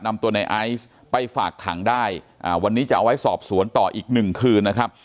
นำตัวในไอซ์ไปฝากขังได้วันนี้จะเอาไว้สอบสวนต่ออีกหนึ่งคืนนะครับ